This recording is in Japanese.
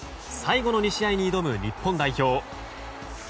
最後の２試合に挑む日本代表。